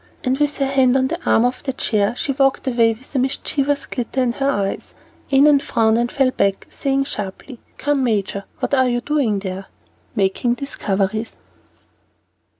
And with her hand on the arm of the chair, she walked away with a mischievous glitter in her eyes. Annon frowned and fell back, saying sharply, "Come, Major, what are you doing there?" "Making discoveries."